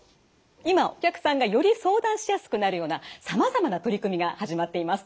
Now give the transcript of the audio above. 今お客さんがより相談しやすくなるようなさまざまな取り組みが始まっています。